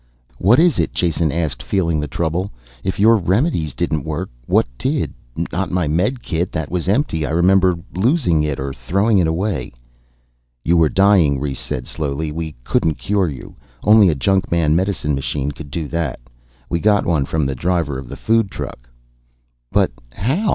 "What is it?" Jason asked, feeling the trouble. "If your remedies didn't work what did? Not my medikit. That was empty. I remember losing it or throwing it away." "You were dying," Rhes said slowly. "We couldn't cure you. Only a junkman medicine machine could do that. We got one from the driver of the food truck." "But how?"